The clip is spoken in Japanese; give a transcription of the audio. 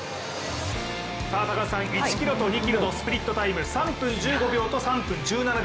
１ｋｍと２ｋｍのスプリットタイム、３分１５秒と３分１７秒。